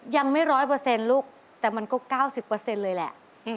ยังไม่๑๐๐ลูกแต่มันก็๙๐เลยแหละ